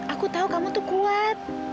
aku tahu kamu tuh kuat